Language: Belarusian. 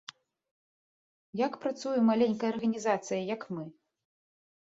Як працуе маленькая арганізацыя, як мы?